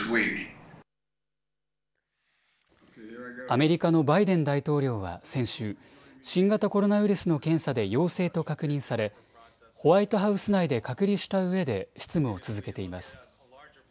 アメリカのバイデン大統領は先週、新型コロナウイルスの検査で陽性と確認されホワイトハウス内で隔離したうえで執務を続けています。